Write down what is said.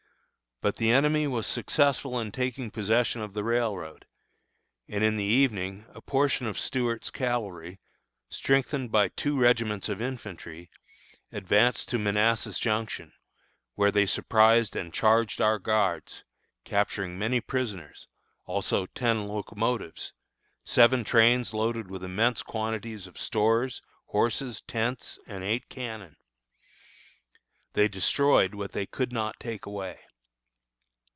But the enemy was successful in taking possession of the railroad; and in the evening a portion of Stuart's cavalry, strengthened by two regiments of infantry, advanced to Manassas Junction, where they surprised and charged our guards, capturing many prisoners, also ten locomotives, seven trains loaded with immense quantities of stores, horses, tents, and eight cannon. They destroyed what they could not take away.